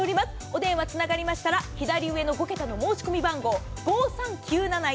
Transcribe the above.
お電話つながりましたら左上の５桁の申し込み番号５３９７１５３９７１